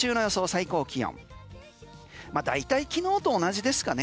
最高気温大体、昨日と同じですかね。